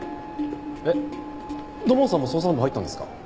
えっ土門さんも捜査本部入ったんですか？